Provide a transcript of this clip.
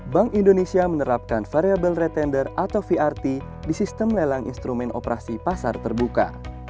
bank indonesia menerapkan variable retender atau vrt di sistem lelang instrumen operasi pasar terbuka